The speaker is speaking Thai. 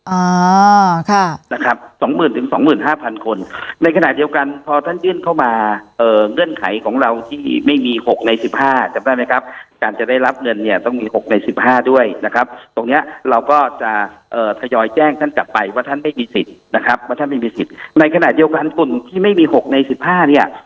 อ่าค่ะนะครับสองหมื่นถึงสองหมื่นห้าพันคนในขณะเดียวกันพอท่านยื่นเข้ามาเอ่อเงื่อนไขของเราที่ไม่มีหกในสิบห้าจำได้ไหมครับการจะได้รับเงินเนี่ยต้องมีหกในสิบห้าด้วยนะครับตรงเนี้ยเราก็จะเอ่อทยอยแจ้งท่านกลับไปว่าท่านไม่มีสิทธิ์นะครับว่าท่านไม่มีสิทธิ์ในขณะเดียวกันกลุ่มที่ไม่มีหกในสิบห้าเนี่ย